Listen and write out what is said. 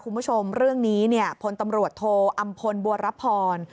คุณผู้ชมเรื่องนี้เนี่ยพลตำรวจโทอำพลบัวรับพร